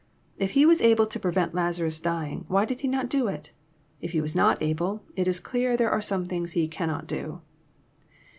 If He was able to prevent Lazarus dying, why did He not do it? If He was not able, it is clear there are some things He cannot do."